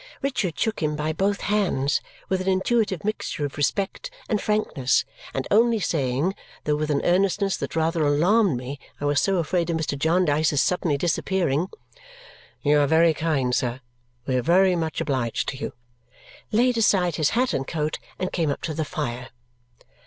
Richard shook him by both hands with an intuitive mixture of respect and frankness, and only saying (though with an earnestness that rather alarmed me, I was so afraid of Mr. Jarndyce's suddenly disappearing), "You are very kind, sir! We are very much obliged to you!" laid aside his hat and coat and came up to the fire.